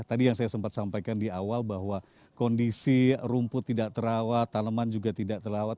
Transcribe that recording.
tadi yang saya sempat sampaikan di awal bahwa kondisi rumput tidak terawat tanaman juga tidak terawat